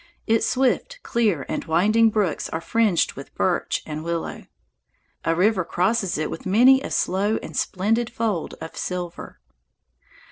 Its swift, clear, and winding brooks are fringed with birch and willow. A river crosses it with many a slow and splendid fold of silver.